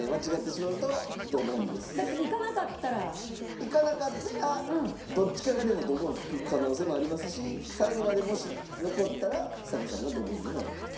いかなかったらどっちかがドボンを引く可能性もありますし最後までもし残ったらちさ子さんがドボンになる事も。